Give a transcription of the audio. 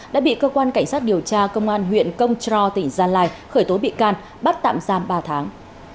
đã bị cơ quan cảnh sát điều tra công an huyện công tró tỉnh gia lai khởi tố bị can bắt tạm giam ba tháng